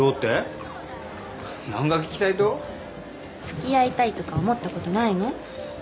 つきあいたいとか思ったことないの？